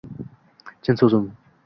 Chin so'zim.